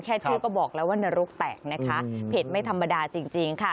แค่ชื่อก็บอกแล้วว่านรกแตกนะคะเผ็ดไม่ธรรมดาจริงค่ะ